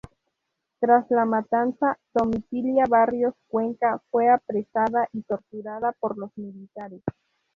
Tras la matanza, Domitila Barrios Cuenca fue apresada y torturada por los militares.